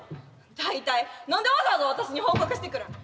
大体何でわざわざ私に報告してくるん？